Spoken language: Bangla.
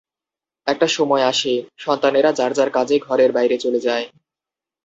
একটা সময় আসে, সন্তানেরা যার যার কাজে ঘরের বাইরে চলে যায়।